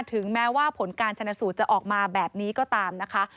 ถึงแม้ว่าผลการชนสูตรจะออกมาแบบนี้ก็ตามนะคะ